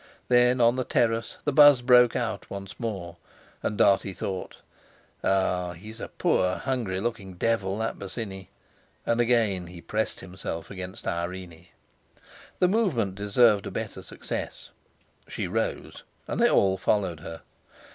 Then on the terrace the buzz broke out once more, and Dartie thought: "Ah! he's a poor, hungry looking devil, that Bosinney!" and again he pressed himself against Irene. The movement deserved a better success. She rose, and they all followed her.